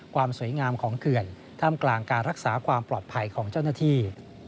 ความสวยงามของเขื่อนท่ามกลางการรักษาความปลอดภัยของเจ้าหน้าที่